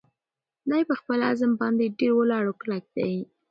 دی په خپل عزم باندې ډېر ولاړ او کلک دی.